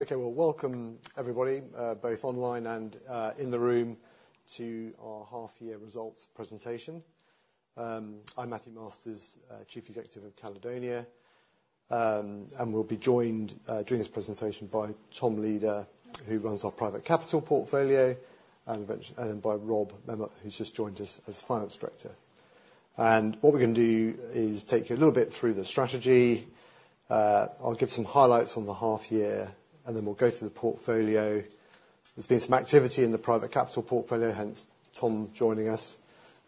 Okay, well, welcome everybody, both online and in the room to our half year results presentation. I'm Mat Masters, Chief Executive of Caledonia. And we'll be joined during this presentation by Tom Leader, who runs our private capital portfolio, and then by Rob Memmott, who's just joined us as finance director. What we're gonna do is take you a little bit through the strategy. I'll give some highlights on the half year, and then we'll go through the portfolio. There's been some activity in the private capital portfolio, hence Tom joining us,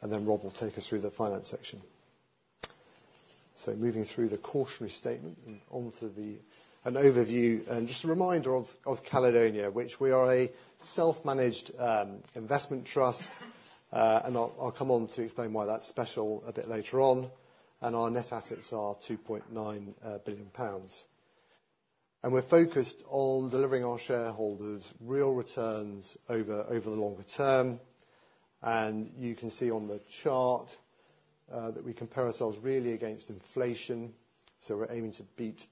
and then Rob will take us through the finance section. So moving through the cautionary statement and onto an overview and just a reminder of Caledonia, which we are a self-managed investment trust. And I'll come on to explain why that's special a bit later on, and our net assets are 2.9 billion pounds. And we're focused on delivering our shareholders real returns over the longer term. And you can see on the chart that we compare ourselves really against inflation. So we're aiming to beat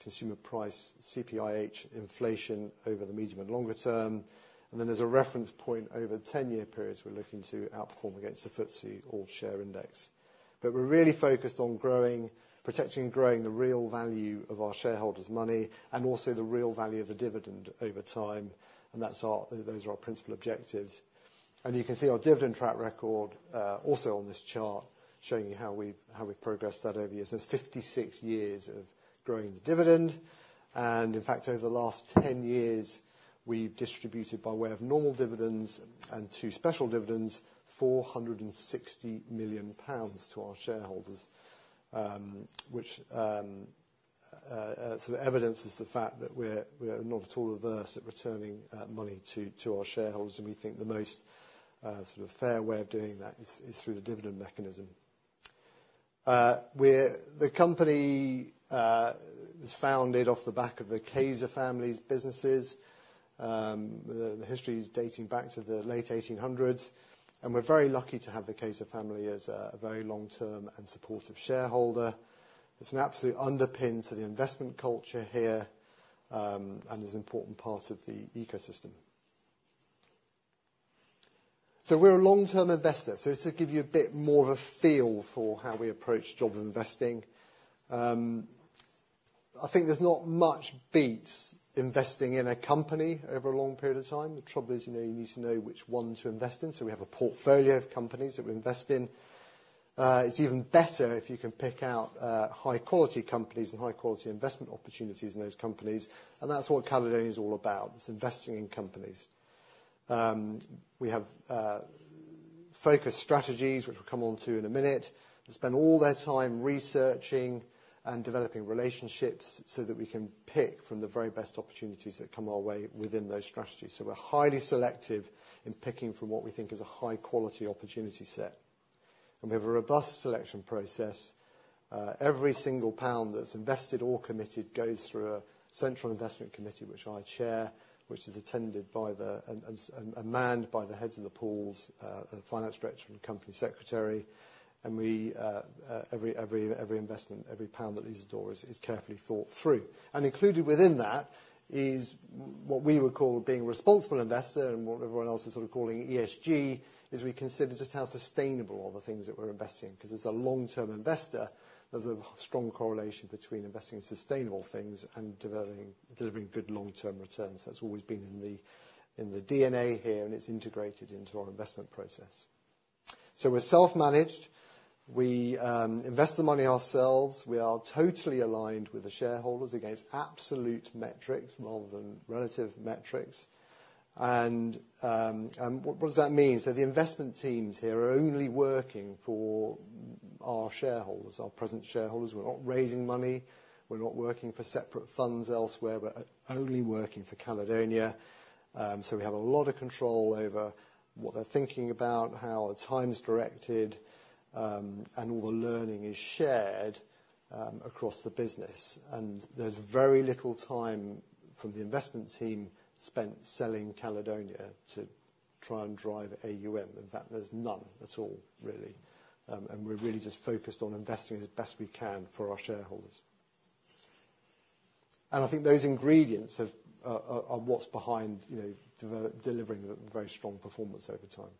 consumer price CPIH inflation over the medium and longer term. And then there's a reference point over the 10-year periods; we're looking to outperform against the FTSE All-Share Index. But we're really focused on protecting and growing the real value of our shareholders' money, and also the real value of the dividend over time, and those are our principal objectives. And you can see our dividend track record also on this chart, showing you how we've progressed that over years. There's 56 years of growing the dividend, and in fact, over the last 10 years, we've distributed, by way of normal dividends and two special dividends, 460 million pounds to our shareholders, which sort of evidences the fact that we're not at all averse at returning money to our shareholders, and we think the most sort of fair way of doing that is through the dividend mechanism. The company was founded off the back of the Cayzer family's businesses. The history is dating back to the late 1800s, and we're very lucky to have the Cayzer family as a very long-term and supportive shareholder. It's an absolute underpin to the investment culture here, and is an important part of the ecosystem. So we're a long-term investor, so just to give you a bit more of a feel for how we approach our investing. I think there's not much beats investing in a company over a long period of time. The trouble is, you know, you need to know which one to invest in, so we have a portfolio of companies that we invest in. It's even better if you can pick out high-quality companies and high-quality investment opportunities in those companies, and that's what Caledonia is all about. It's investing in companies. We have focused strategies, which we'll come on to in a minute, and spend all their time researching and developing relationships so that we can pick from the very best opportunities that come our way within those strategies. So we're highly selective in picking from what we think is a high-quality opportunity set. We have a robust selection process. Every single pound that's invested or committed goes through a central investment committee, which I chair, manned by the heads of the pools, the finance director and company secretary. Every investment, every pound that leaves the door is carefully thought through. Included within that is what we would call being a responsible investor, and what everyone else is sort of calling ESG, is we consider just how sustainable are the things that we're investing in. 'Cause as a long-term investor, there's a strong correlation between investing in sustainable things and developing, delivering good long-term returns. That's always been in the DNA here, and it's integrated into our investment process. We're self-managed. We invest the money ourselves. We are totally aligned with the shareholders against absolute metrics rather than relative metrics. And what does that mean? So the investment teams here are only working for our shareholders, our present shareholders. We're not raising money. We're not working for separate funds elsewhere. We're only working for Caledonia. So we have a lot of control over what they're thinking about, how the time is directed, and all the learning is shared across the business. And there's very little time from the investment team spent selling Caledonia to try and drive AUM. In fact, there's none at all, really, and we're really just focused on investing as best we can for our shareholders. And I think those ingredients are what's behind, you know, delivering a very strong performance over time.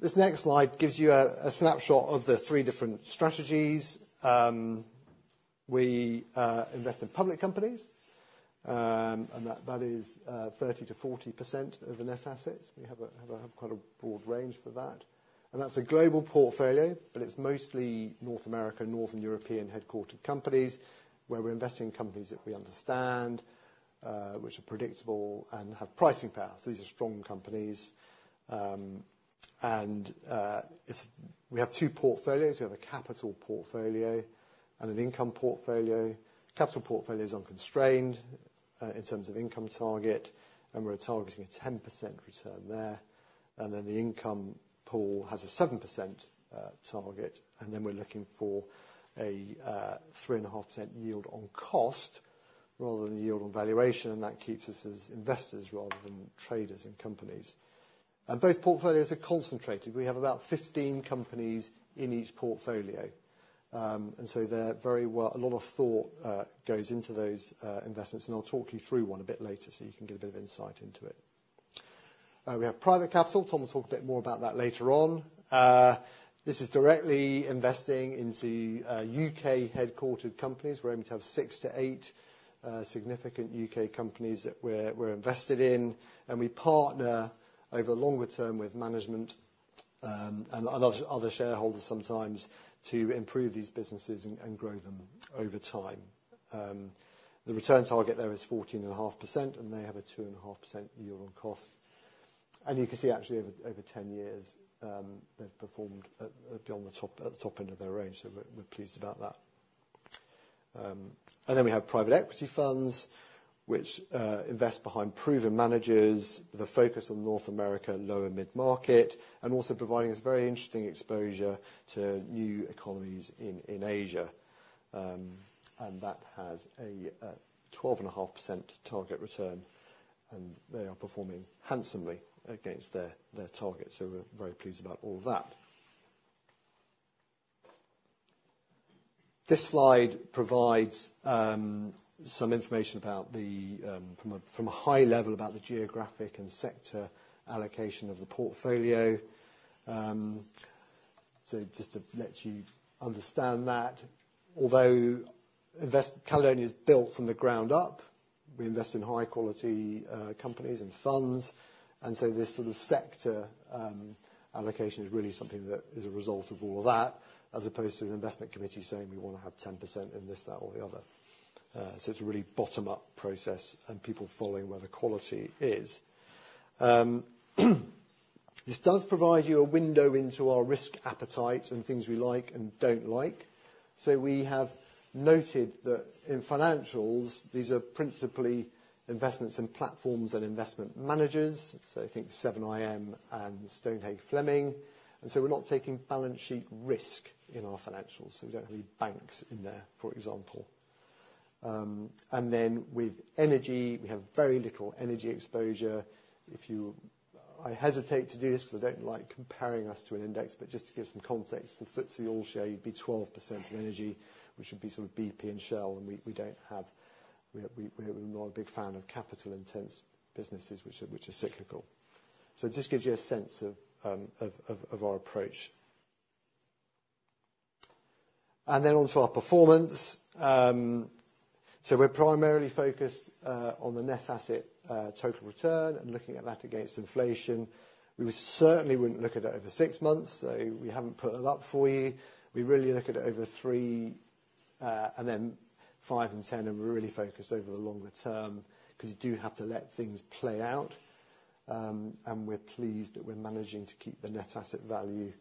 This next slide gives you a snapshot of the three different strategies. We invest in public companies, and that is 30%-40% of the net assets. We have quite a broad range for that. And that's a global portfolio, but it's mostly North America, Northern European-headquartered companies, where we're investing in companies that we understand, which are predictable and have pricing power. So these are strong companies, and it's we have two portfolios. We have a capital portfolio and an income portfolio. Capital portfolio is unconstrained in terms of income target, and we're targeting a 10% return there, and then the income pool has a 7% target, and then we're looking for a three and a half percent yield on cost. Rather than yield on valuation, and that keeps us as investors rather than traders in companies. And both portfolios are concentrated. We have about 15 companies in each portfolio. And so they're very well. A lot of thought goes into those investments, and I'll talk you through one a bit later so you can get a bit of insight into it. We have private capital. Tom will talk a bit more about that later on. This is directly investing into UK-headquartered companies. We're aiming to have 6-8 significant UK companies that we're invested in, and we partner over the longer term with management and other shareholders sometimes, to improve these businesses and grow them over time. The return target there is 14.5%, and they have a 2.5% yield on cost. You can see, actually, over 10 years, they've performed beyond the top, at the top end of their range, so we're pleased about that. And then we have private equity funds, which invest behind proven managers, with a focus on North America, low and mid-market, and also providing us very interesting exposure to new economies in Asia. And that has a 12.5% target return, and they are performing handsomely against their target, so we're very pleased about all that. This slide provides some information about, from a high level, about the geographic and sector allocation of the portfolio. So just to let you understand that, although Caledonia is built from the ground up, we invest in high-quality companies and funds, and so this sort of sector allocation is really something that is a result of all of that, as opposed to an investment committee saying, "We wanna have 10% in this, that, or the other." So it's a really bottom-up process, and people following where the quality is. This does provide you a window into our risk appetite and things we like and don't like. So we have noted that in financials, these are principally investments in platforms and investment managers, so I think 7IM and Stonehage Fleming, and so we're not taking balance sheet risk in our financials, so we don't have any banks in there, for example. And then with energy, we have very little energy exposure. If you... I hesitate to do this, for I don't like comparing us to an index, but just to give some context, the FTSE All-Share, it'd be 12% in energy, which would be sort of BP and Shell, and we don't have. We, we're not a big fan of capital-intensive businesses, which are cyclical. So it just gives you a sense of our approach. And then onto our performance. So we're primarily focused on the net asset total return, and looking at that against inflation. We most certainly wouldn't look at that over six months, so we haven't put that up for you. We really look at it over three, and then five and 10, and we're really focused over the longer term, 'cause you do have to let things play out. And we're pleased that we're managing to keep the net asset value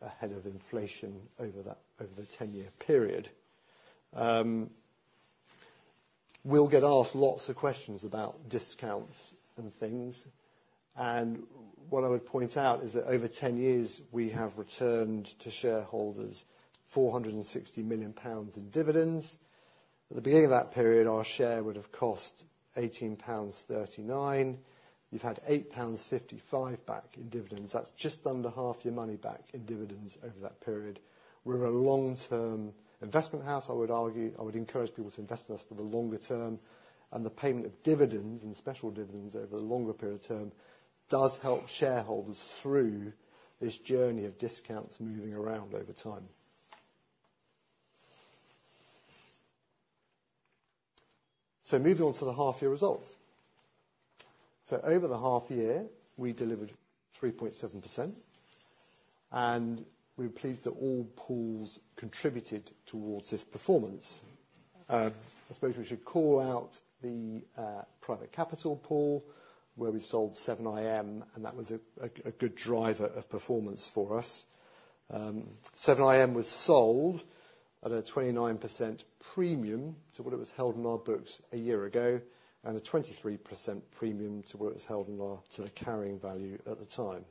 ahead of inflation over that, over the 10-year period. We'll get asked lots of questions about discounts and things, and what I would point out is that, over 10 years, we have returned to shareholders 460 million pounds in dividends. At the beginning of that period, our share would have cost 18.39 pounds. You've had 8.55 pounds back in dividends. That's just under half your money back in dividends over that period. We're a long-term investment house, I would argue. I would encourage people to invest in us for the longer term, and the payment of dividends and special dividends over the longer period of term does help shareholders through this journey of discounts moving around over time. So moving on to the half year results. So over the half year, we delivered 3.7%, and we're pleased that all pools contributed towards this performance. I suppose we should call out the private capital pool, where we sold 7IM, and that was a good driver of performance for us. 7IM was sold at a 29% premium to what it was held in our books a year ago, and a 23% premium to the carrying value at the time.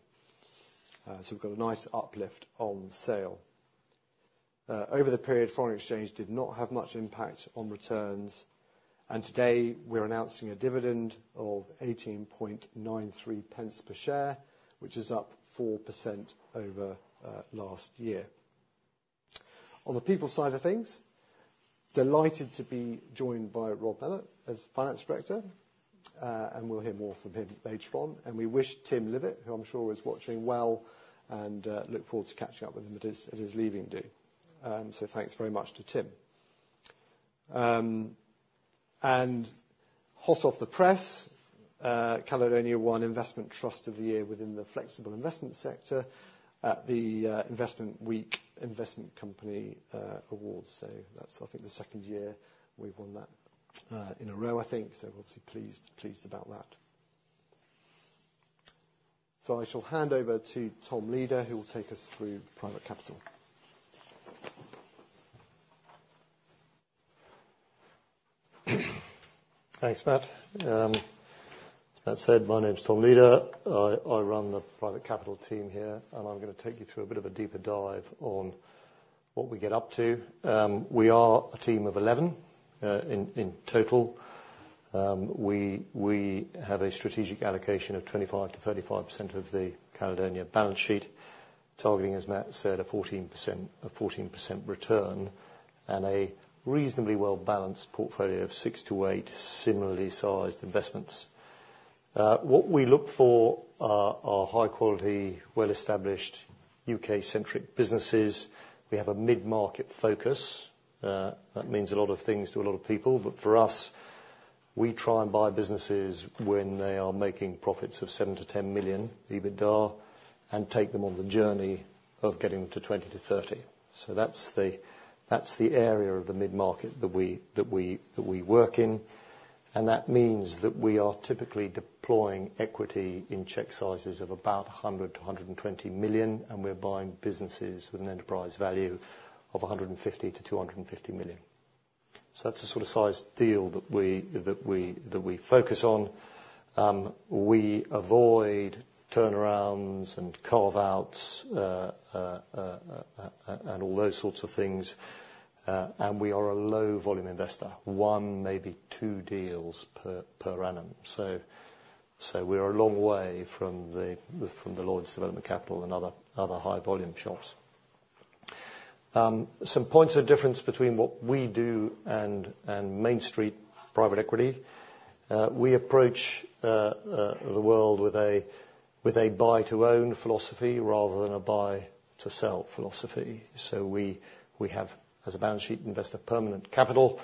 So we've got a nice uplift on the sale. Over the period, foreign exchange did not have much impact on returns, and today we're announcing a dividend of 0.1893 per share, which is up 4% over last year. On the people side of things, delighted to be joined by Rob Memmott as finance director, and we'll hear more from him later on. And we wish Tim Livett, who I'm sure is watching, well, and look forward to catching up with him at his leaving do. So thanks very much to Tim. And hot off the press, Caledonia won Investment Trust of the Year within the Flexible Investment sector at the Investment Week Investment Company Awards. So that's, I think, the second year we've won that in a row, I think. So we're obviously pleased about that. So I shall hand over to Tom Leader, who will take us through private capital. Thanks, Mat. As said, my name's Tom Leader. I run the private capital team here, and I'm gonna take you through a bit of a deeper dive on what we get up to. We are a team of 11 in total. We have a strategic allocation of 25%-35% of the Caledonia balance sheet, targeting, as Mat said, a 14% return, and a reasonably well-balanced portfolio of six to eight similarly sized investments. What we look for are high quality, well-established, UK-centric businesses. We have a mid-market focus. That means a lot of things to a lot of people, but for us, we try and buy businesses when they are making profits of 7-10 million EBITDA, and take them on the journey of getting to 20-30. So that's the area of the mid-market that we work in, and that means that we are typically deploying equity in check sizes of about 100-120 million, and we're buying businesses with an enterprise value of 150-250 million. So that's the sort of size deal that we focus on. We avoid turnarounds and carve-outs, and all those sorts of things. We are a low volume investor, one, maybe two deals per annum. So we are a long way from the Lloyds Development Capital and other high-volume shops. Some points of difference between what we do and Main Street private equity. We approach the world with a buy-to-own philosophy, rather than a buy-to-sell philosophy. So we have, as a balance sheet investor, permanent capital,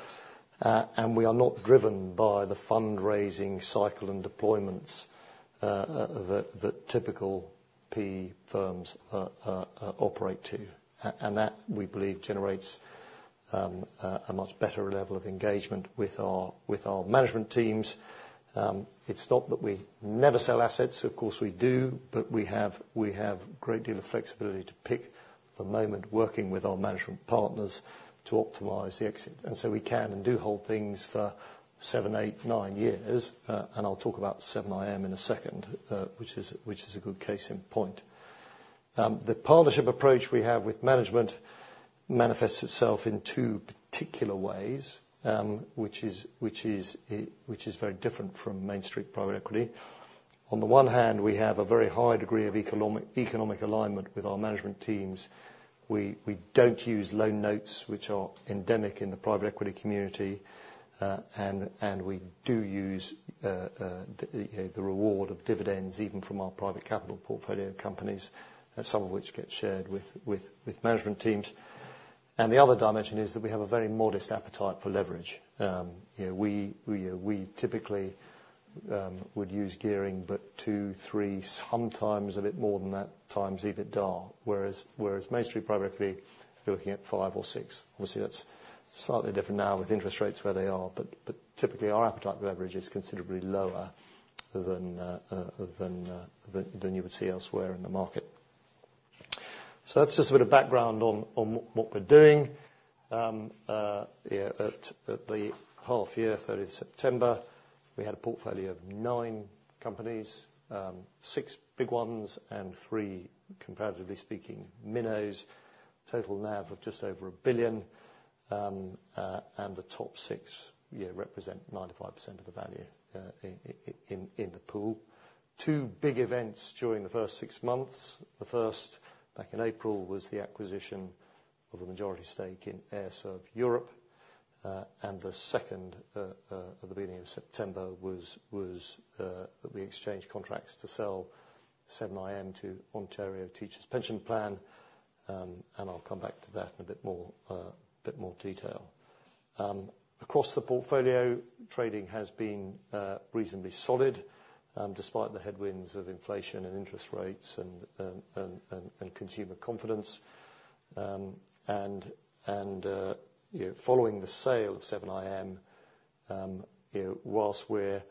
and we are not driven by the fundraising cycle and deployments that typical PE firms operate to. And that, we believe, generates a much better level of engagement with our management teams. It's not that we never sell assets, of course we do, but we have a great deal of flexibility to pick the moment, working with our management partners to optimize the exit, and so we can and do hold things for seven, eight, nine years. And I'll talk about 7IM in a second, which is a good case in point. The partnership approach we have with management manifests itself in two particular ways, which is very different from Main Street private equity. On the one hand, we have a very high degree of economic alignment with our management teams. We don't use loan notes, which are endemic in the private equity community, and we do use, you know, the reward of dividends, even from our private capital portfolio companies, some of which get shared with management teams. The other dimension is that we have a very modest appetite for leverage. You know, we typically would use gearing, but two, three, sometimes a bit more than that, times EBITDA, whereas Main Street private equity, you're looking at five or six. Obviously, that's slightly different now with interest rates where they are, but typically, our appetite for leverage is considerably lower than you would see elsewhere in the market. So that's just a bit of background on what we're doing. At the half year, 30 September, we had a portfolio of 9 companies, 6 big ones, and 3, comparatively speaking, minnows. Total NAV of just over 1 billion, and the top 6 represent 95% of the value in the pool. Two big events during the first six months. The first, back in April, was the acquisition of a majority stake in AIR-serv Europe. And the second, at the beginning of September, was that we exchanged contracts to sell 7IM to Ontario Teachers' Pension Plan, and I'll come back to that in a bit more detail. Across the portfolio, trading has been reasonably solid, despite the headwinds of inflation and interest rates, and consumer confidence. And you know, following the sale of 7IM, you know, whilst we're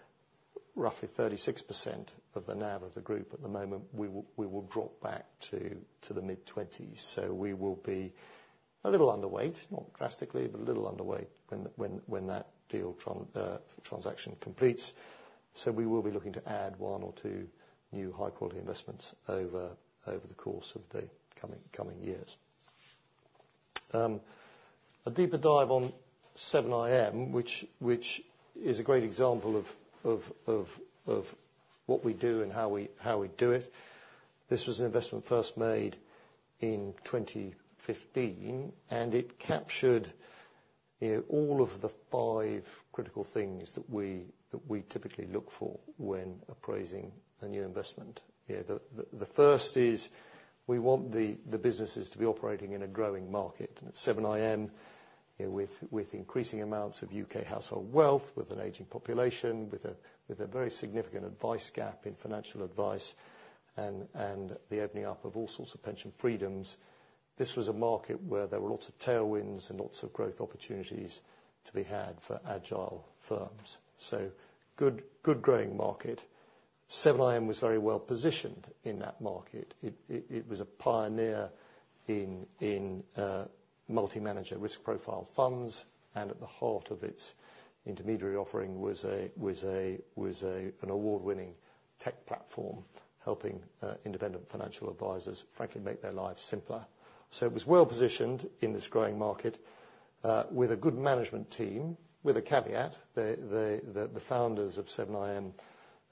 roughly 36% of the NAV of the group at the moment, we will drop back to the mid-20s. So we will be a little underweight, not drastically, but a little underweight when that deal transaction completes. So we will be looking to add one or two new high-quality investments over the course of the coming years. A deeper dive on 7IM, which is a great example of what we do and how we do it. This was an investment first made in 2015, and it captured, you know, all of the five critical things that we typically look for when appraising a new investment. The first is, we want the businesses to be operating in a growing market. And at 7IM, you know, with increasing amounts of U.K. household wealth, with an aging population, with a very significant advice gap in financial advice, and the opening up of all sorts of pension freedoms, this was a market where there were lots of tailwinds and lots of growth opportunities to be had for agile firms. Good growing market. 7IM was very well positioned in that market. It was a pioneer in multi-manager risk profile funds, and at the heart of its intermediary offering was an award-winning tech platform, helping independent financial advisors, frankly, make their lives simpler. So it was well positioned in this growing market with a good management team, with a caveat. The founders of 7IM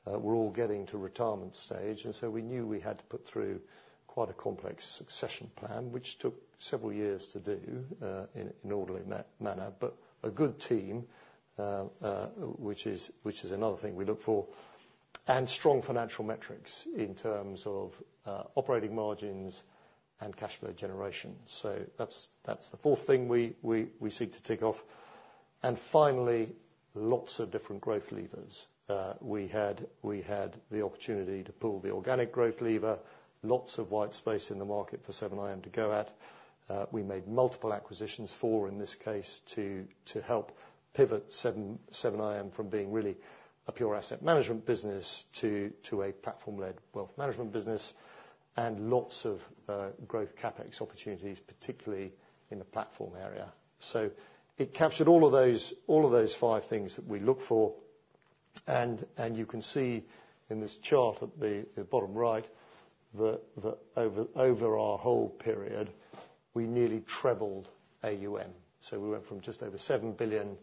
were all getting to retirement stage, and so we knew we had to put through quite a complex succession plan, which took several years to do in an orderly manner. But a good team, which is another thing we look for, and strong financial metrics in terms of operating margins and cash flow generation. So that's the fourth thing we seek to tick off. And finally, lots of different growth levers. We had the opportunity to pull the organic growth lever, lots of white space in the market for 7IM to go at. We made multiple acquisitions, four in this case, to help pivot 7IM from being really a pure asset management business to a platform-led wealth management business, and lots of growth CapEx opportunities, particularly in the platform area. So it captured all of those five things that we look for. You can see in this chart at the bottom right that over our whole period, we nearly trebled AUM. So we went from just over 7 billion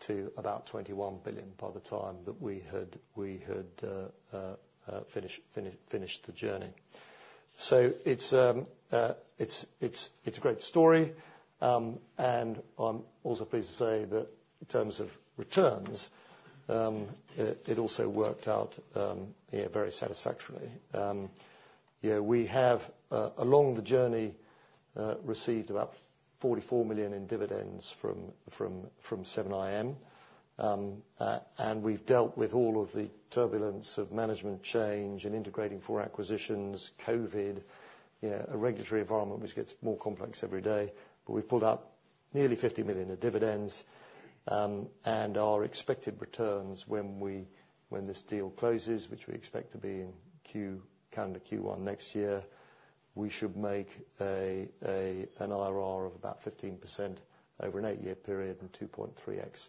to about 21 billion by the time that we had finished the journey. So it's a great story. And I'm also pleased to say that in terms of returns, it also worked out, yeah, very satisfactorily. Yeah, we have, along the journey, received about 44 million in dividends from 7IM. And we've dealt with all of the turbulence of management change and integrating four acquisitions, COVID, you know, a regulatory environment which gets more complex every day. But we've pulled out nearly 50 million in dividends, and our expected returns when this deal closes, which we expect to be in calendar Q1 next year, we should make an IRR of about 15% over an 8-year period, and 2.3x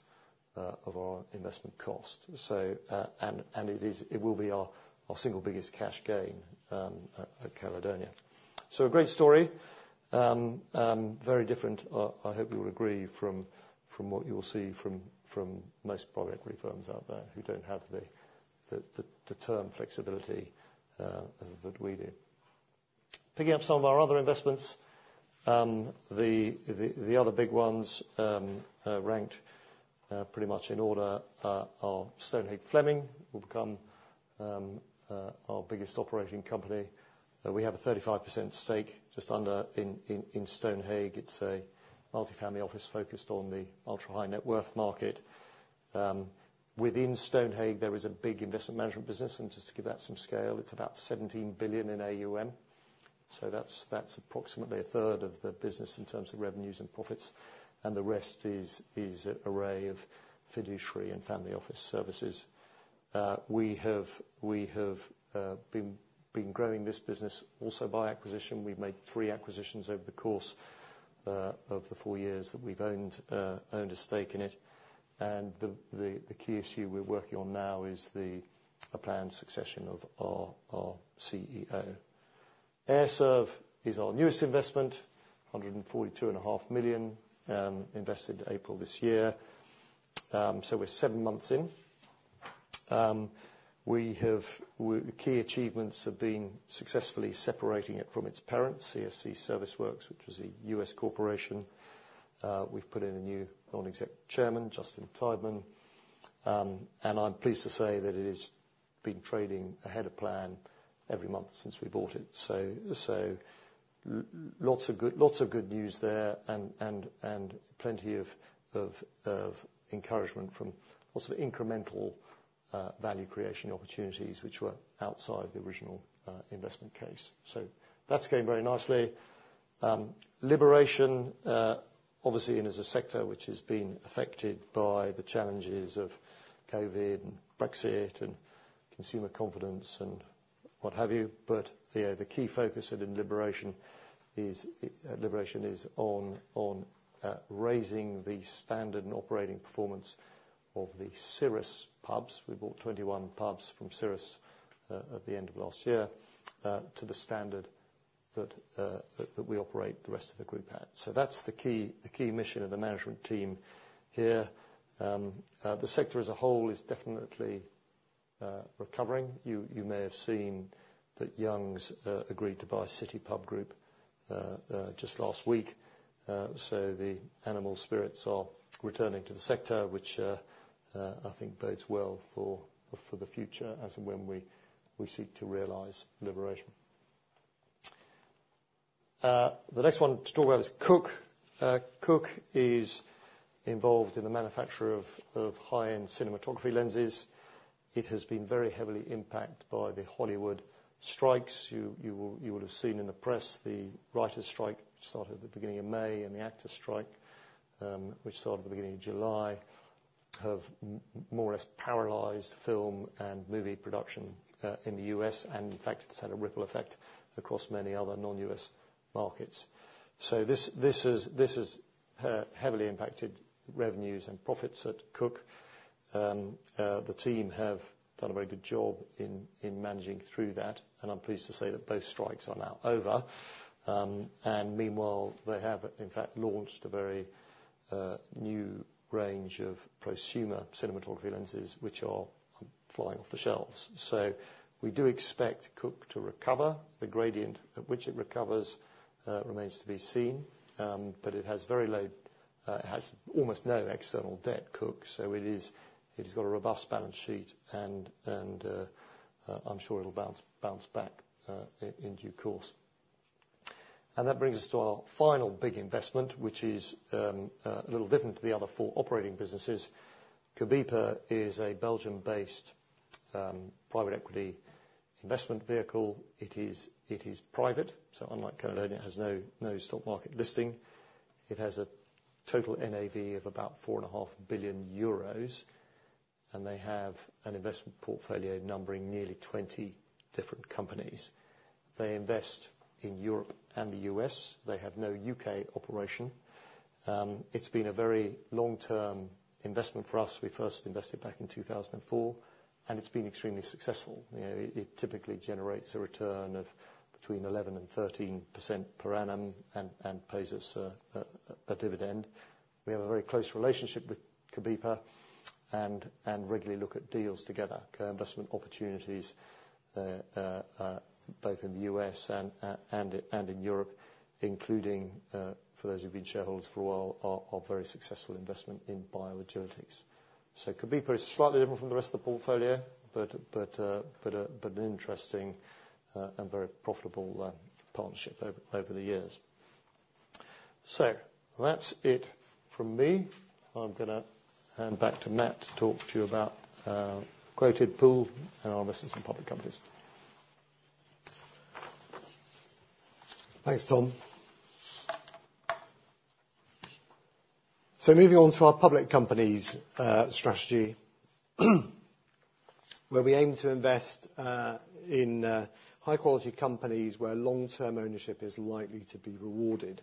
of our investment cost. So, and it is- it will be our single biggest cash gain at Caledonia. So a great story. Very different, I hope you will agree from what you will see from most private equity firms out there, who don't have the term flexibility that we do. Picking up some of our other investments, the other big ones, ranked pretty much in order, are Stonehage Fleming, will become our biggest operating company. We have a 35% stake, just under, in Stonehage. It's a multifamily office focused on the ultra-high net worth market. Within Stonehage, there is a big investment management business, and just to give that some scale, it's about 17 billion in AUM. So that's approximately a third of the business in terms of revenues and profits, and the rest is an array of fiduciary and family office services. We have been growing this business also by acquisition. We've made three acquisitions over the course of the four years that we've owned a stake in it. And the key issue we're working on now is a planned succession of our CEO. AIR-serv is our newest investment, 142.5 million invested April this year. So we're seven months in. The key achievements have been successfully separating it from its parent, CSC ServiceWorks, which was a U.S. corporation. We've put in a new non-exec chairman, Justin Tydeman, and I'm pleased to say that it has been trading ahead of plan every month since we bought it. So, lots of good, lots of good news there, and plenty of encouragement from lots of incremental value creation opportunities, which were outside the original investment case. So that's going very nicely. Liberation obviously, and as a sector, which has been affected by the challenges of COVID and Brexit and consumer confidence and what have you, but you know, the key focus at Liberation is on raising the standard and operating performance of the Cirrus pubs. We bought 21 pubs from Cirrus at the end of last year to the standard that we operate the rest of the group at. So that's the key, the key mission of the management team here. The sector as a whole is definitely recovering. You may have seen that Young's agreed to buy City Pub Group just last week. So the animal spirits are returning to the sector, which I think bodes well for the future as and when we seek to realize Liberation. The next one to talk about is Cooke. Cooke is involved in the manufacture of high-end cinematography lenses. It has been very heavily impacted by the Hollywood strikes. You will have seen in the press, the writers' strike started at the beginning of May, and the actors' strike, which started at the beginning of July, have more or less paralyzed film and movie production in the U.S., and in fact, it's had a ripple effect across many other non-U.S. markets. So this has heavily impacted revenues and profits at Cooke. And the team have done a very good job in managing through that, and I'm pleased to say that both strikes are now over. And meanwhile, they have, in fact, launched a very new range of prosumer cinematography lenses, which are flying off the shelves. So we do expect Cooke to recover. The gradient at which it recovers remains to be seen. But it has almost no external debt, Cooke, so it has got a robust balance sheet, and I'm sure it'll bounce back in due course. And that brings us to our final big investment, which is a little different to the other four operating businesses. Cobepa is a Belgium-based private equity investment vehicle. It is private, so unlike Caledonia, it has no stock market listing. It has a total NAV of about 4.5 billion euros, and they have an investment portfolio numbering nearly 20 different companies. They invest in Europe and the U.S. They have no U.K. operation. It's been a very long-term investment for us. We first invested back in 2004, and it's been extremely successful. You know, it typically generates a return of between 11% and 13% per annum and pays us a dividend. We have a very close relationship with Cobepa and regularly look at deals together, investment opportunities, both in the U.S. and in Europe, including, for those who've been shareholders for a while, our very successful investment in BioAgilytix. So Cobepa is slightly different from the rest of the portfolio, but an interesting and very profitable partnership over the years. So that's it from me. I'm gonna hand back to Mat to talk to you about quoted portfolio and our investments in public companies. Thanks, Tom. Moving on to our public companies strategy, where we aim to invest in high-quality companies, where long-term ownership is likely to be rewarded.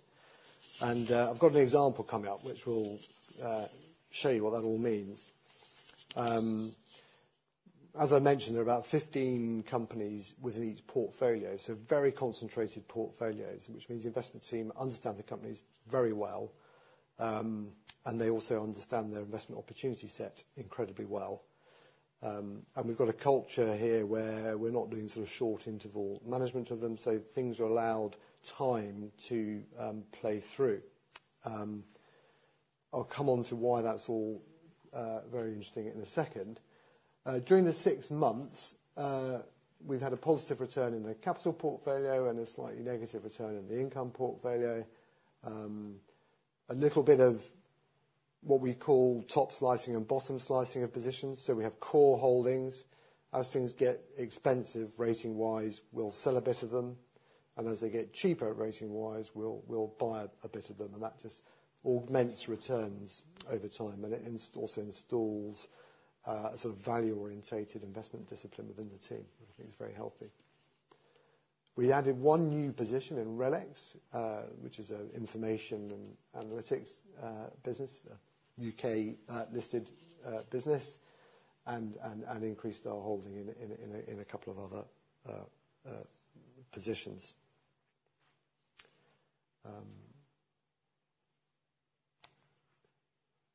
I've got an example coming up, which will show you what that all means. As I mentioned, there are about 15 companies within each portfolio, so very concentrated portfolios, which means the investment team understand the companies very well, and they also understand their investment opportunity set incredibly well. We've got a culture here where we're not doing sort of short-interval management of them, so things are allowed time to play through. I'll come on to why that's all very interesting in a second. During the six months, we've had a positive return in the capital portfolio and a slightly negative return in the income portfolio. A little bit of what we call top slicing and bottom slicing of positions, so we have core holdings. As things get expensive, rating-wise, we'll sell a bit of them, and as they get cheaper, rating-wise, we'll buy a bit of them, and that just augments returns over time, and it also instills a sort of value-oriented investment discipline within the team, which I think is very healthy. We added one new position in RELX, which is an information and analytics business, UK-listed business, and increased our holding in a couple of other positions.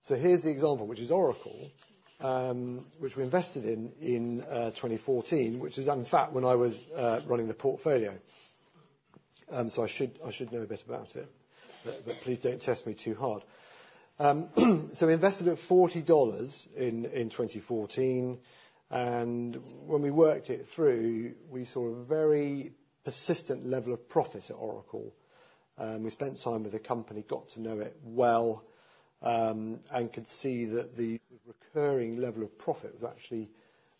So here's the example, which is Oracle, which we invested in 2014, which is, in fact, when I was running the portfolio. So I should know a bit about it, but please don't test me too hard. So we invested at $40 in 2014, and when we worked it through, we saw a very persistent level of profit at Oracle. We spent time with the company, got to know it well, and could see that the recurring level of profit was actually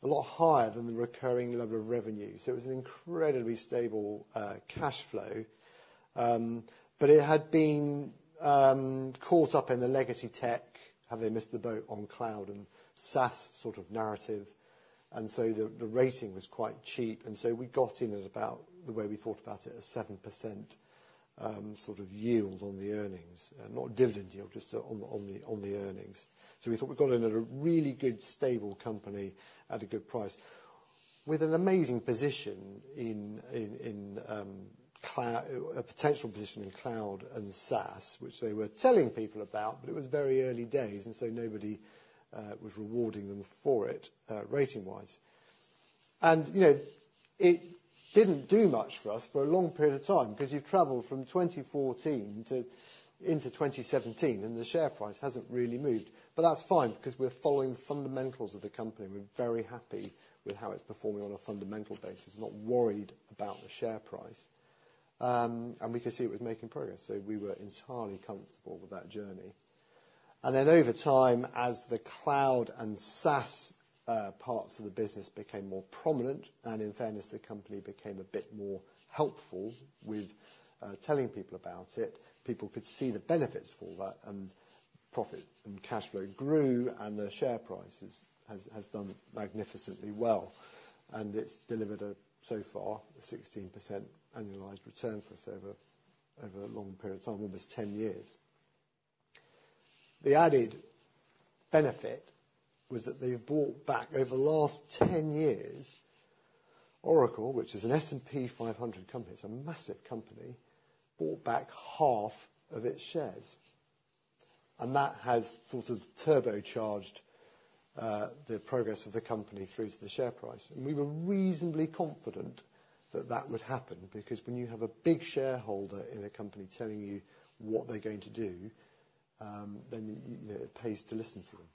a lot higher than the recurring level of revenue, so it was an incredibly stable cashflow. But it had been caught up in the legacy tech, have they missed the boat on cloud and SaaS sort of narrative, and so the rating was quite cheap, and so we got in at about, the way we thought about it, a 7% sort of yield on the earnings. Not dividend yield, just on the earnings. So we thought we'd got in at a really good, stable company at a good price, with an amazing position in a potential position in cloud and SaaS, which they were telling people about, but it was very early days, and so nobody was rewarding them for it, rating-wise. And, you know, it didn't do much for us for a long period of time, because you've traveled from 2014 to 2017, and the share price hasn't really moved. But that's fine, because we're following the fundamentals of the company. We're very happy with how it's performing on a fundamental basis, not worried about the share price, and we could see it was making progress, so we were entirely comfortable with that journey. And then over time, as the cloud and SaaS parts of the business became more prominent, and in fairness, the company became a bit more helpful with telling people about it, people could see the benefits for that, and profit and cash flow grew, and the share prices has, has done magnificently well. And it's delivered a, so far, a 16% annualized return for us over a long period of time, almost 10 years. The added benefit was that they've bought back, over the last 10 years, Oracle, which is an S&P 500 company, it's a massive company, bought back half of its shares, and that has sort of turbocharged the progress of the company through to the share price. We were reasonably confident that that would happen, because when you have a big shareholder in a company telling you what they're going to do, then, you know, it pays to listen to them.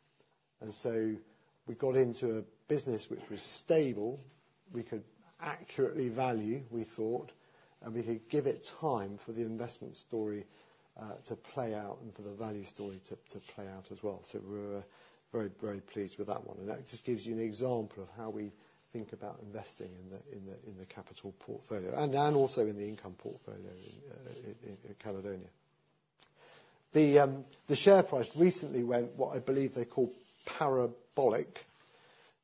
And so we got into a business which was stable, we could accurately value, we thought, and we could give it time for the investment story to play out and for the value story to play out as well. So we were very, very pleased with that one, and that just gives you an example of how we think about investing in the capital portfolio and also in the income portfolio in Caledonia. The share price recently went what I believe they call parabolic,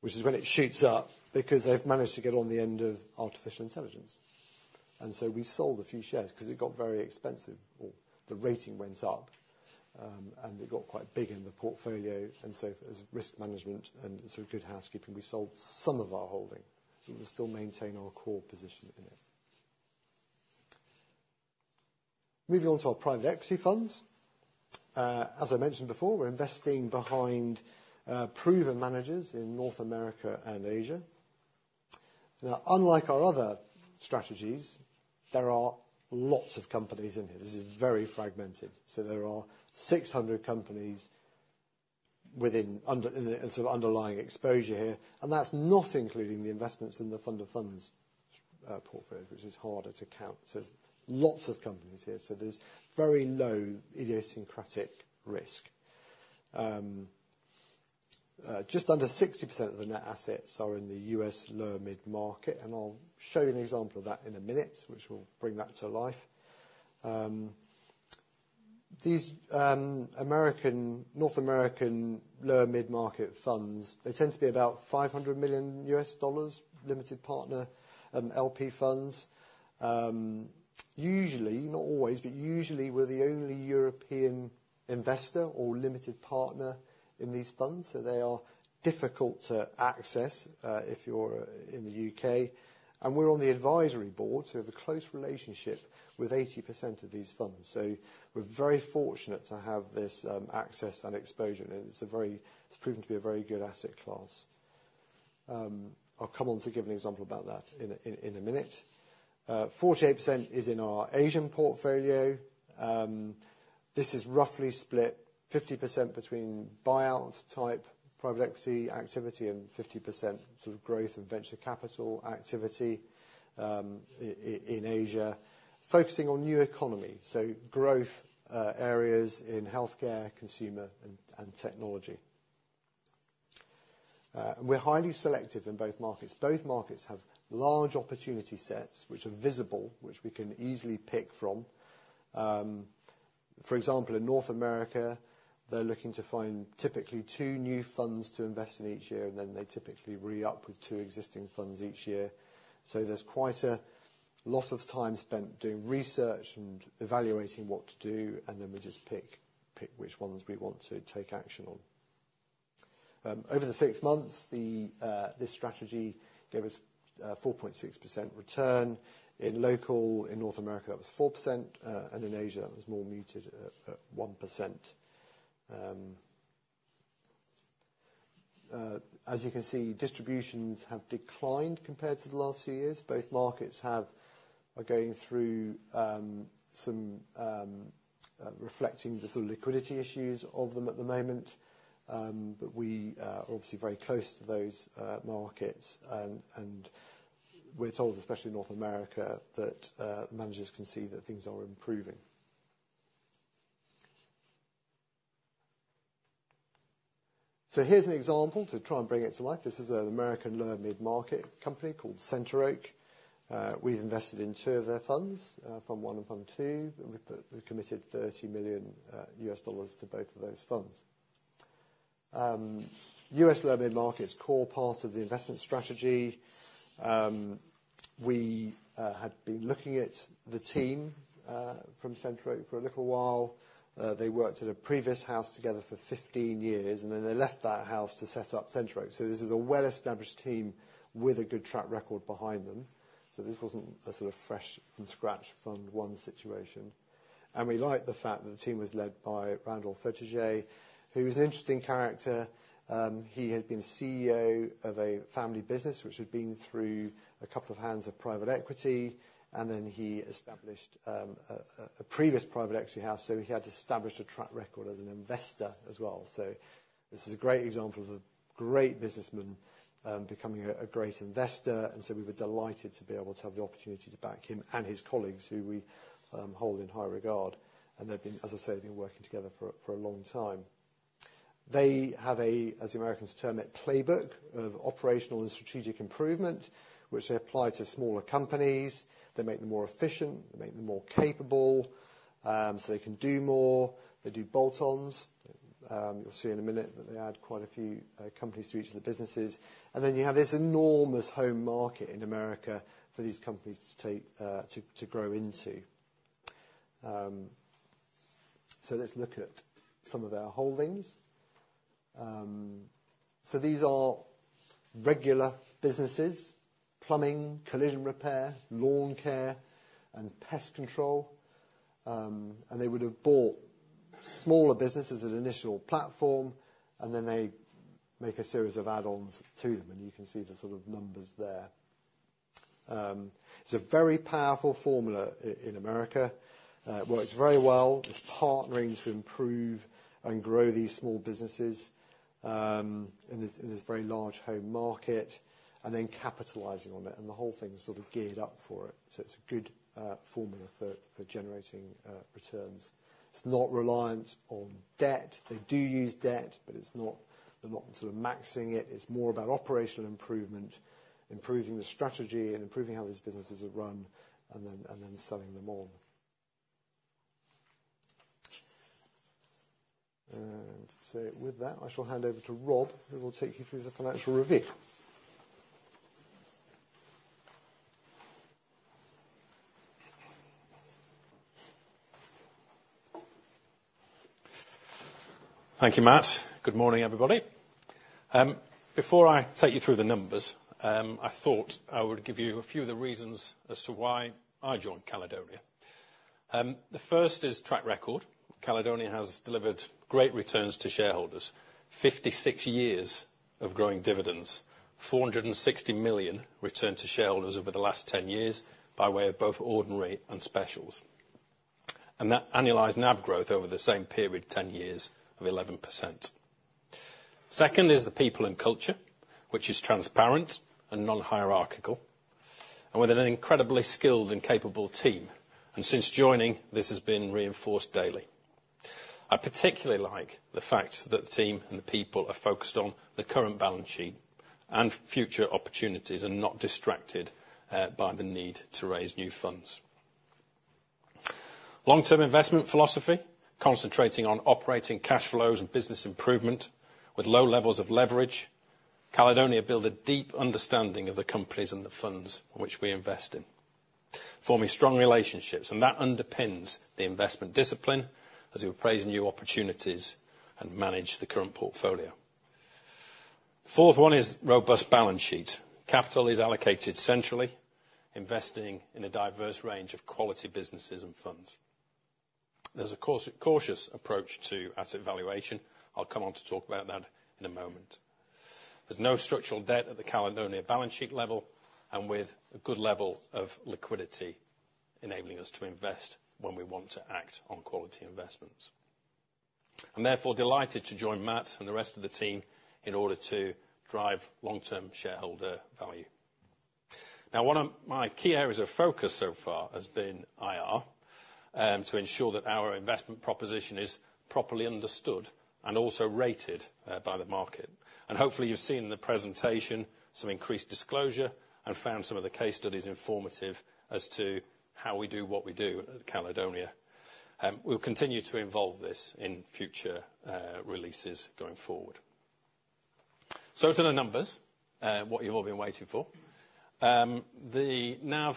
which is when it shoots up, because they've managed to get on the end of artificial intelligence. We sold a few shares because it got very expensive, or the rating went up, and it got quite big in the portfolio. As risk management and sort of good housekeeping, we sold some of our holding, but we still maintain our core position in it. Moving on to our private equity funds. As I mentioned before, we're investing behind proven managers in North America and Asia. Now, unlike our other strategies, there are lots of companies in here. This is very fragmented. So there are 600 companies within the sort of underlying exposure here, and that's not including the investments in the fund of funds portfolio, which is harder to count. So there's lots of companies here, so there's very low idiosyncratic risk. Just under 60% of the net assets are in the U.S. lower mid-market, and I'll show you an example of that in a minute, which will bring that to life. These American, North American lower mid-market funds tend to be about $500 million limited partner LP funds. Usually, not always, but usually, we're the only European investor or limited partner in these funds, so they are difficult to access if you're in the U.K. And we're on the advisory board, so we have a close relationship with 80% of these funds. So we're very fortunate to have this access and exposure, and it's proven to be a very good asset class. I'll come on to give an example about that in a minute. 48% is in our Asian portfolio. This is roughly split 50% between buyout-type private equity activity and 50% sort of growth and venture capital activity, in Asia, focusing on new economy, so growth areas in healthcare, consumer, and technology. And we're highly selective in both markets. Both markets have large opportunity sets which are visible, which we can easily pick from. For example, in North America, they're looking to find typically two new funds to invest in each year, and then they typically re-up with two existing funds each year. So there's quite a lot of time spent doing research and evaluating what to do, and then we just pick which ones we want to take action on. Over the six months, this strategy gave us a 4.6% return. In local, in North America, that was 4%, and in Asia, it was more muted at 1%. As you can see, distributions have declined compared to the last few years. Both markets are going through some, reflecting the sort of liquidity issues of them at the moment. But we are obviously very close to those markets, and we're told, especially in North America, that the managers can see that things are improving. So here's an example to try and bring it to life. This is an American lower mid-market company called CenterOak. We've invested in two of their funds, fund one and fund two, and we've committed $30 million to both of those funds. U.S. lower mid-market is a core part of the investment strategy. We had been looking at the team from CenterOak for a little while. They worked at a previous house together for 15 years, and then they left that house to set up CenterOak. So this is a well-established team with a good track record behind them. So this wasn't a sort of fresh from scratch fund one situation. And we liked the fact that the team was led by Randall Fojtasek. He was an interesting character. He had been CEO of a family business, which had been through a couple of hands of private equity, and then he established a previous private equity house. So he had established a track record as an investor as well. So this is a great example of a great businessman, becoming a great investor, and so we were delighted to be able to have the opportunity to back him and his colleagues, who we hold in high regard. And they've been, as I said, they've been working together for a long time. They have a, as the Americans term it, playbook of operational and strategic improvement, which they apply to smaller companies. They make them more efficient. They make them more capable, so they can do more. They do bolt-ons. You'll see in a minute that they add quite a few companies to each of the businesses. And then you have this enormous home market in America for these companies to take to grow into. So let's look at some of their holdings. So these are regular businesses: plumbing, collision repair, lawn care, and pest control. And they would have bought smaller businesses as an initial platform, and then they make a series of add-ons to them, and you can see the sort of numbers there. It's a very powerful formula in America. It works very well. It's partnering to improve and grow these small businesses in this very large home market, and then capitalizing on it, and the whole thing is sort of geared up for it. So it's a good formula for generating returns. It's not reliant on debt. They do use debt, but it's not... They're not sort of maxing it. It's more about operational improvement, improving the strategy, and improving how these businesses are run, and then selling them on. And so with that, I shall hand over to Rob, who will take you through the financial review. Thank you, Mat. Good morning, everybody. Before I take you through the numbers, I thought I would give you a few of the reasons as to why I joined Caledonia. The first is track record. Caledonia has delivered great returns to shareholders, 56 years of growing dividends, 460 million returned to shareholders over the last 10 years by way of both ordinary and specials. That annualized NAV growth over the same period, 10 years, of 11%. Second is the people and culture, which is transparent and non-hierarchical, and with an incredibly skilled and capable team, and since joining, this has been reinforced daily. I particularly like the fact that the team and the people are focused on the current balance sheet and future opportunities and not distracted by the need to raise new funds. Long-term investment philosophy, concentrating on operating cash flows and business improvement with low levels of leverage. Caledonia build a deep understanding of the companies and the funds which we invest in, forming strong relationships, and that underpins the investment discipline as we appraise new opportunities and manage the current portfolio. Fourth one is robust balance sheet. Capital is allocated centrally, investing in a diverse range of quality businesses and funds. There's a cautious approach to asset valuation. I'll come on to talk about that in a moment. There's no structural debt at the Caledonia balance sheet level, and with a good level of liquidity, enabling us to invest when we want to act on quality investments. I'm therefore delighted to join Mat and the rest of the team in order to drive long-term shareholder value. Now, one of my key areas of focus so far has been IR, to ensure that our investment proposition is properly understood and also rated by the market. And hopefully, you've seen in the presentation some increased disclosure and found some of the case studies informative as to how we do what we do at Caledonia. We'll continue to involve this in future releases going forward. So to the numbers, what you've all been waiting for. The NAV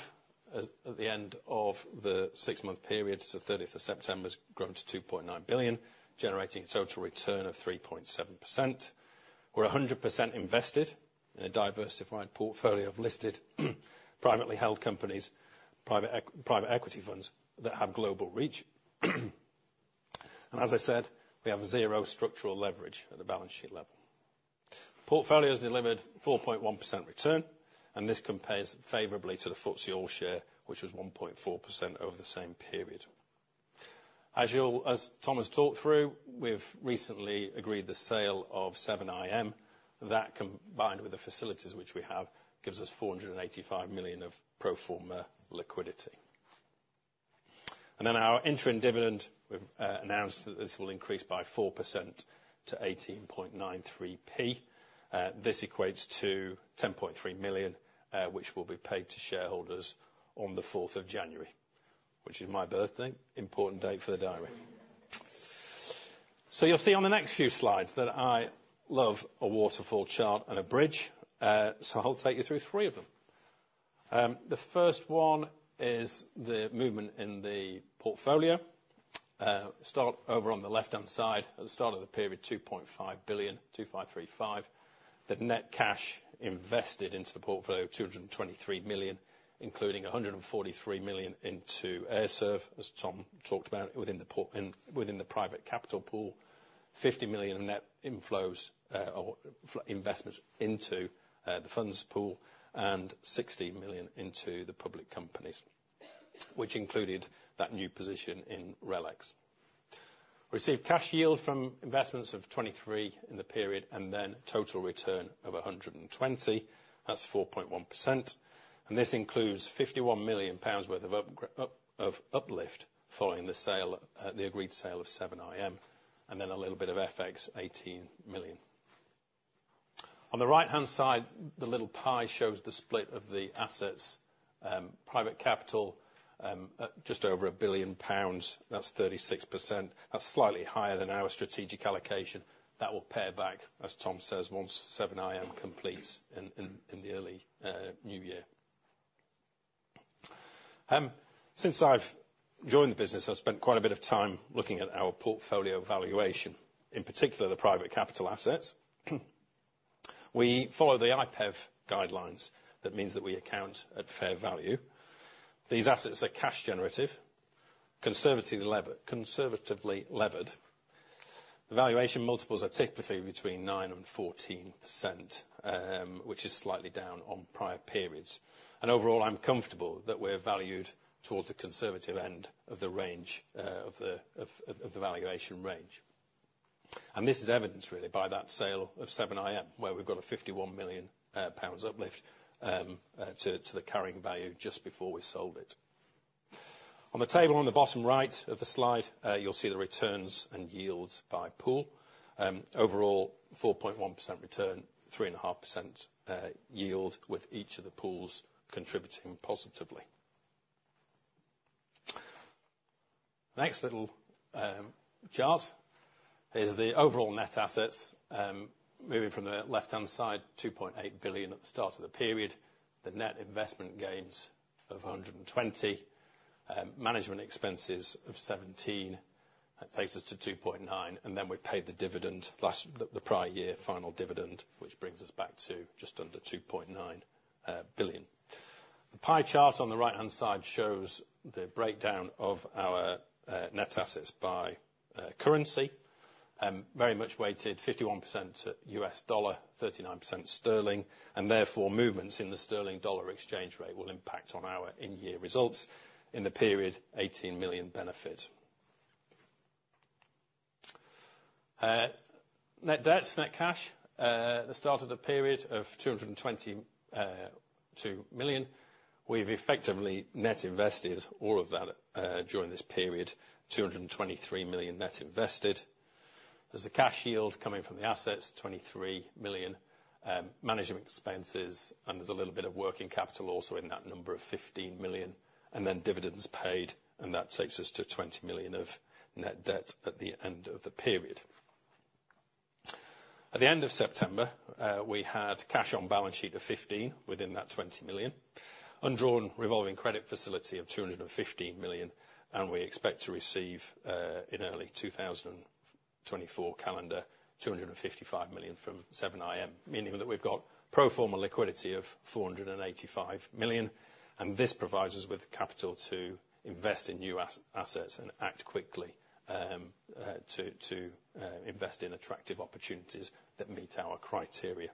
at the end of the six-month period, so thirtieth of September, has grown to 2.9 billion, generating a total return of 3.7%. We're 100% invested in a diversified portfolio of listed, privately held companies, private equity funds that have global reach. And as I said, we have zero structural leverage at the balance sheet level. The portfolio has delivered 4.1% return, and this compares favorably to the FTSE All-Share, which was 1.4% over the same period. As Tom has talked through, we've recently agreed the sale of 7IM. That, combined with the facilities which we have, gives us 485 million of pro forma liquidity. And then our interim dividend, we've announced that this will increase by 4% to 18.93p. This equates to 10.3 million, which will be paid to shareholders on the fourth of January, which is my birthday. Important date for the diary. So you'll see on the next few slides that I love a waterfall chart and a bridge, so I'll take you through three of them. The first one is the movement in the portfolio. Start over on the left-hand side, at the start of the period, £2.5 billion, the net cash invested into the portfolio, £223 million, including £143 million into AIR-serv, as Tom talked about, within the portfolio in the private capital pool. £50 million in net inflows, or investments into, the funds pool, and £60 million into the public companies, which included that new position in RELX. Received cash yield from investments of £23 in the period, and then total return of £120. That's 4.1%, and this includes £51 million pounds worth of uplift, following the sale, the agreed sale of 7IM, and then a little bit of FX, £18 million. On the right-hand side, the little pie shows the split of the assets. Private capital at just over 1 billion pounds. That's 36%. That's slightly higher than our strategic allocation. That will pare back, as Tom says, once 7IM completes in the early new year. Since I've joined the business, I've spent quite a bit of time looking at our portfolio valuation, in particular, the private capital assets. We follow the IPEV guidelines. That means that we account at fair value. These assets are cash generative, conservatively levered. The valuation multiples are typically between 9%-14%, which is slightly down on prior periods, and overall, I'm comfortable that we're valued towards the conservative end of the range of the valuation range. This is evidenced really by that sale of 7IM, where we've got a 51 million pounds uplift to the carrying value just before we sold it. On the table on the bottom right of the slide, you'll see the returns and yields by pool. Overall, 4.1% return, 3.5% yield, with each of the pools contributing positively. Next little chart is the overall net assets. Moving from the left-hand side, 2.8 billion at the start of the period, the net investment gains of 120 million, management expenses of 17 million. That takes us to 2.9 billion, and then we paid the dividend last, the prior year final dividend, which brings us back to just under 2.9 billion. The pie chart on the right-hand side shows the breakdown of our net assets by currency. Very much weighted 51% to the US dollar, 39% sterling, and therefore, movements in the sterling-dollar exchange rate will impact on our in-year results. In the period, 18 million benefit. Net cash at the start of the period of 222 million, we've effectively net invested all of that during this period, 223 million net invested. There's a cash yield coming from the assets, 23 million, management expenses, and there's a little bit of working capital also in that number of 15 million, and then dividends paid, and that takes us to 20 million of net debt at the end of the period. At the end of September, we had cash on balance sheet of 15 million within that 20 million, undrawn revolving credit facility of 215 million, and we expect to receive in early 2024 calendar 255 million from 7IM, meaning that we've got pro forma liquidity of 485 million, and this provides us with the capital to invest in new assets and act quickly to invest in attractive opportunities that meet our criteria.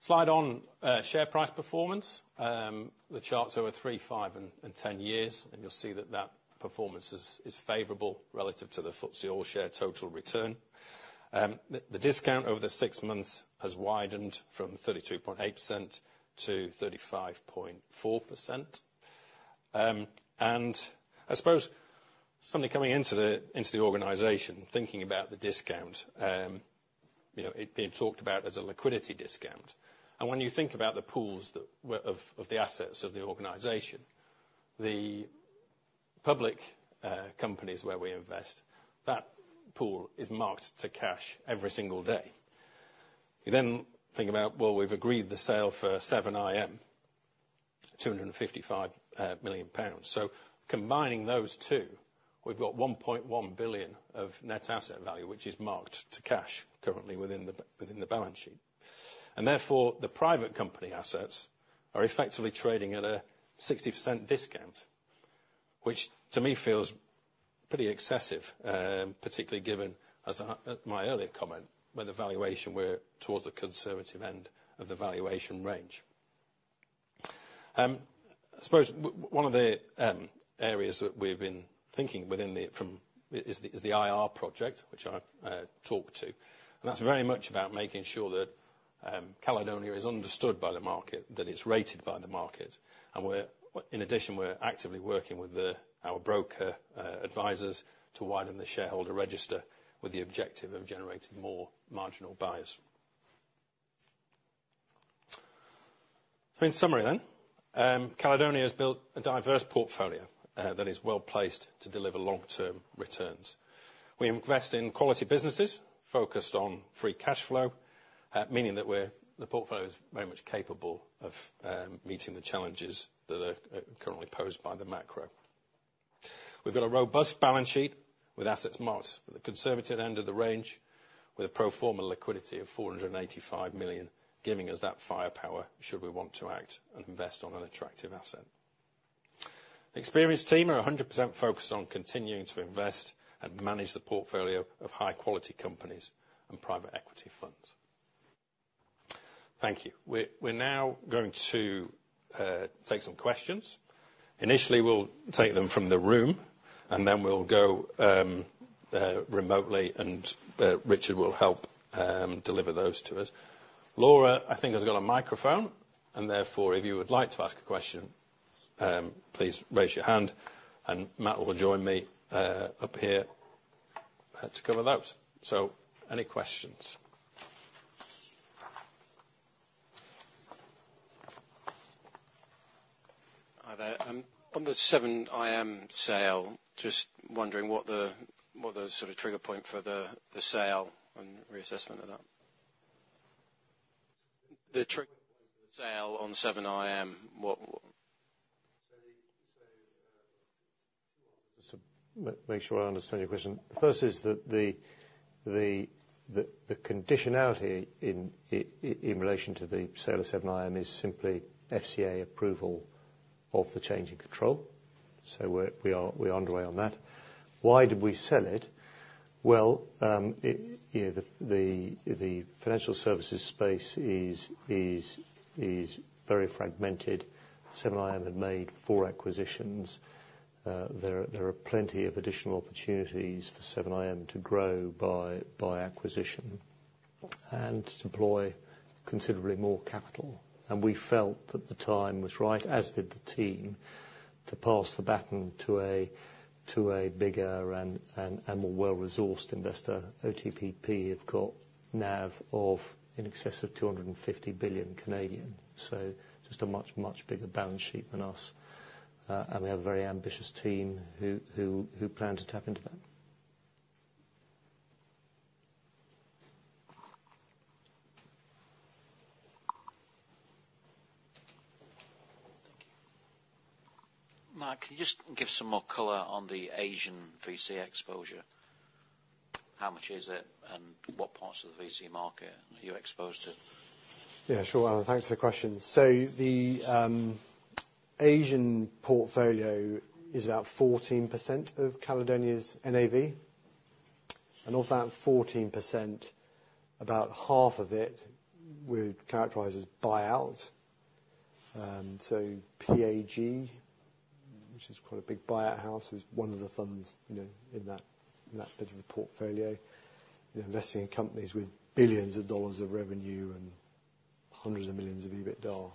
Slide on share price performance. The charts over three, five, and 10 years, and you'll see that that performance is favorable relative to the FTSE All-Share total return. The discount over the six months has widened from 32.8% to 35.4%. And I suppose somebody coming into the organization, thinking about the discount, you know, it being talked about as a liquidity discount, and when you think about the pools that were of the assets of the organization, the public companies where we invest, that pool is marked to market every single day. You then think about, well, we've agreed the sale for 7IM, 255 million pounds. So combining those two, we've got 1.1 billion of net asset value, which is marked to market currently within the balance sheet. And therefore, the private company assets are effectively trading at a 60% discount, which to me feels pretty excessive, particularly given, as in my earlier comment, where the valuation we're towards the conservative end of the valuation range. I suppose one of the areas that we've been thinking within is the IR project, which I've talked to, and that's very much about making sure that Caledonia is understood by the market, that it's rated by the market. In addition, we're actively working with our broker advisors to widen the shareholder register with the objective of generating more marginal buyers. In summary then, Caledonia has built a diverse portfolio that is well placed to deliver long-term returns. We invest in quality businesses focused on free cashflow, meaning that the portfolio is very much capable of meeting the challenges that are currently posed by the macro.... We've got a robust balance sheet with assets marked at the conservative end of the range, with a pro forma liquidity of 485 million, giving us that firepower should we want to act and invest on an attractive asset. The experienced team are 100% focused on continuing to invest and manage the portfolio of high-quality companies and private equity funds. Thank you. We're now going to take some questions. Initially, we'll take them from the room, and then we'll go remotely, and Richard will help deliver those to us. Laura, I think, has got a microphone, and therefore, if you would like to ask a question, please raise your hand, and Mat will join me up here to cover those. So, any questions? Hi there. On the 7IM sale, just wondering what the sort of trigger point for the sale and reassessment of that? The trigger point for the sale on 7IM, what- So just to make sure I understand your question. The first is that the conditionality in relation to the sale of 7IM is simply FCA approval of the change in control. So we're underway on that. Why did we sell it? Well, the financial services space is very fragmented. 7IM had made four acquisitions. There are plenty of additional opportunities for 7IM to grow by acquisition and deploy considerably more capital. And we felt that the time was right, as did the team, to pass the baton to a bigger and more well-resourced investor. OTPP have got NAV of in excess of 250 billion, so just a much, much bigger balance sheet than us. And they have a very ambitious team who plan to tap into that. Thank you. Mat, can you just give some more color on the Asian VC exposure? How much is it, and what parts of the VC market are you exposed to? Yeah, sure, Alan. Thanks for the question. So the Asian portfolio is about 14% of Caledonia's NAV. And of that 14%, about half of it we would characterize as buyout. So PAG, which is quite a big buyout house, is one of the funds, you know, in that, in that bit of the portfolio. You're investing in companies with billions of dollars of revenue and hundreds of millions of EBITDA,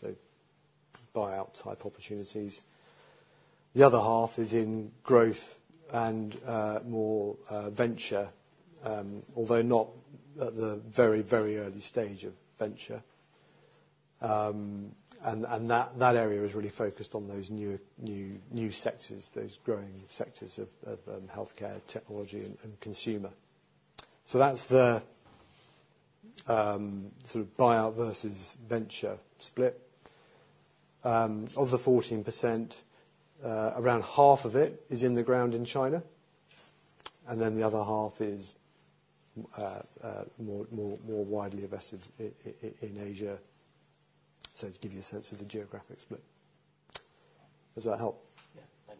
so buyout-type opportunities. The other half is in growth and more venture, although not at the very, very early stage of venture. And that area is really focused on those new sectors, those growing sectors of healthcare, technology, and consumer. So that's the sort of buyout versus venture split. Of the 14%, around half of it is in the ground in China, and then the other half is more widely invested in Asia. So to give you a sense of the geographic split. Does that help? Yeah, thank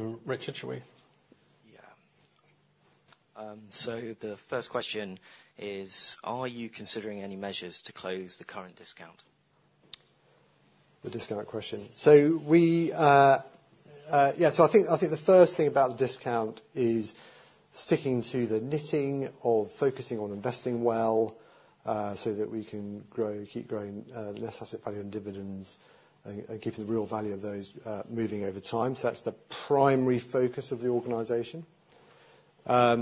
you. Richard, shall we? Yeah. So the first question is, are you considering any measures to close the current discount? The discount question. Yeah, so I think the first thing about the discount is sticking to the knitting of focusing on investing well, so that we can grow, keep growing, net asset value and dividends and, and keeping the real value of those, moving over time. So that's the primary focus of the organization. I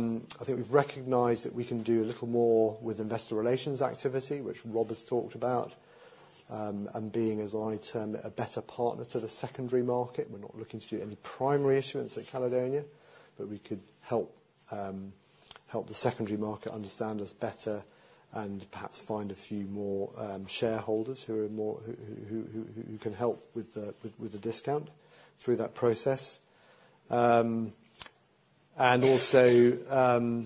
think we've recognized that we can do a little more with investor relations activity, which Rob has talked about, and being, as I term it, a better partner to the secondary market. We're not looking to do any primary issuance at Caledonia, but we could help the secondary market understand us better and perhaps find a few more shareholders who are more who can help with the discount through that process. And also, you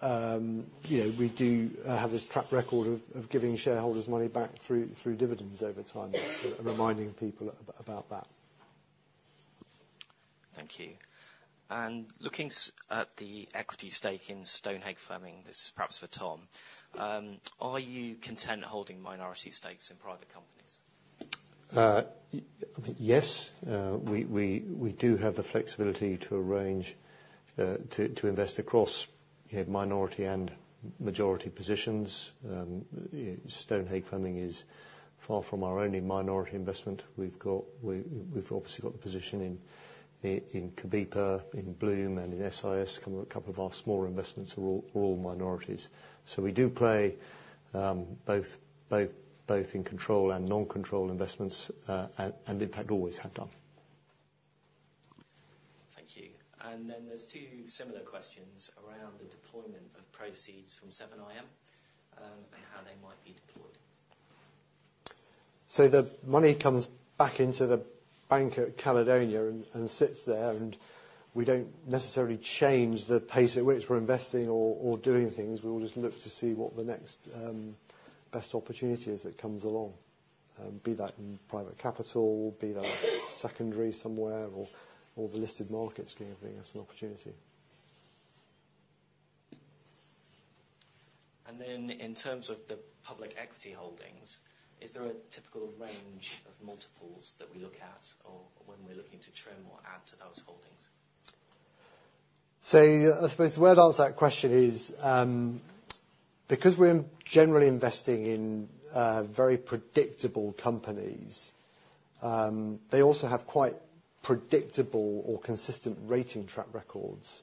know, we do have this track record of giving shareholders money back through dividends over time, and reminding people about that. Thank you. And looking at the equity stake in Stonehage Fleming, this is perhaps for Tom. Are you content holding minority stakes in private companies? Yes, we do have the flexibility to arrange to invest across, you know, minority and majority positions. Stonehage Fleming is far from our only minority investment. We've obviously got the position in Cobepa, in Bloom, and in SIS, a couple of our smaller investments are all minorities. So we do play both in control and non-control investments, and in fact, always have done. ...Thank you. And then there's two similar questions around the deployment of proceeds from 7IM, and how they might be deployed. So the money comes back into the Bank of Caledonia and sits there, and we don't necessarily change the pace at which we're investing or doing things. We will just look to see what the next best opportunity is that comes along, be that in private capital, be that secondary somewhere or the listed markets giving us an opportunity. In terms of the public equity holdings, is there a typical range of multiples that we look at or when we're looking to trim or add to those holdings? So I suppose the way I'd answer that question is, because we're generally investing in very predictable companies, they also have quite predictable or consistent rating track records.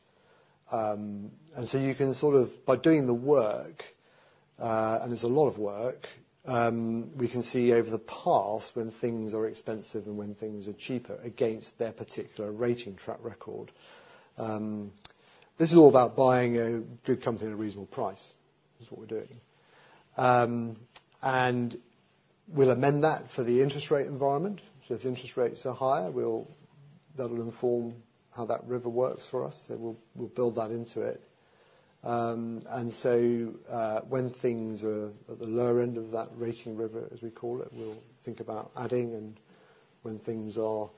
And so you can sort of, by doing the work, and there's a lot of work, we can see over the past when things are expensive and when things are cheaper against their particular rating track record. This is all about buying a good company at a reasonable price, is what we're doing. And we'll amend that for the interest rate environment. So if interest rates are higher, we'll- that'll inform how that river works for us, and we'll, we'll build that into it. So, when things are at the lower end of that Rating River, as we call it, we'll think about adding, and when things are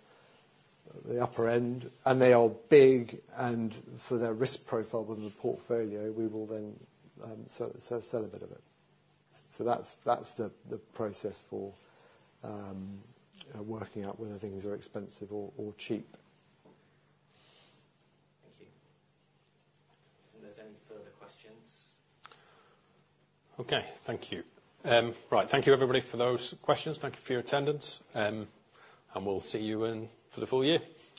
at the upper end, and they are big and for their risk profile within the portfolio, we will then sell, sell, sell a bit of it. So that's the process for working out whether things are expensive or cheap. Thank you. There's no further questions. Okay. Thank you. Right. Thank you, everybody, for those questions. Thank you for your attendance, and we'll see you in for the full year.